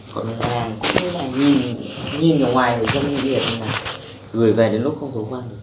còn hàng cũng như thế này nhìn nhìn ở ngoài thì không nhìn điện nhưng mà gửi về đến lúc không thấu quang